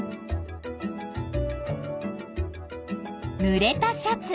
ぬれたシャツ。